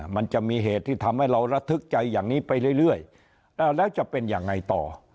มันจะมีเหตุที่ทำให้เราระทึกใจอย่างนี้ไปเรื่อยแล้วจะเป็นยังไงต่อ